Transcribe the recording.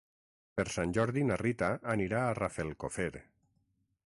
Per Sant Jordi na Rita anirà a Rafelcofer.